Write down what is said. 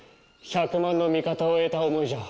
１００万の味方を得た思いじゃ。